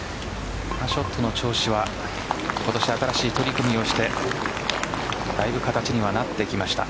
ショットの調子は今年新しい取り組みをしてだいぶ形には、なってきました。